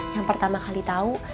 yang pertama kali tahu